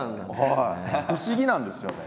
不思議なんですよね。